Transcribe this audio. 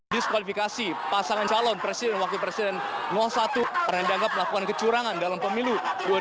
diskualifikasi pasangan calon presiden dan wakil presiden satu karena dianggap melakukan kecurangan dalam pemilu dua ribu dua puluh